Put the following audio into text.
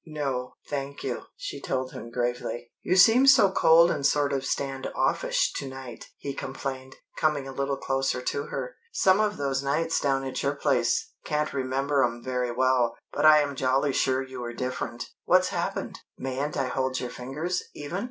"No, thank you," she told him gravely. "You seem so cold and sort of stand offish to night," he complained, coming a little closer to her. "Some of those nights down at your place can't remember 'em very well but I am jolly sure you were different. What's happened? Mayn't I hold your fingers, even?"